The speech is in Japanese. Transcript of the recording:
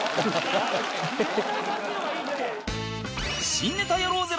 「新ネタやろうぜ！」